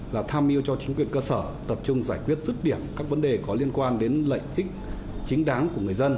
là tham mưu cho chính quyền cơ sở tập trung giải quyết rứt điểm các vấn đề có liên quan đến lợi ích chính đáng của người dân